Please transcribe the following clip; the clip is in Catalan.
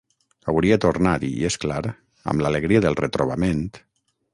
Hauria tornat i, és clar, amb l'alegria del retrobament...